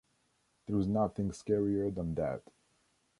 There is nothing scarier than that.